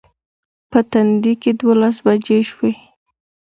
په تندي کې دولس بجې شوې.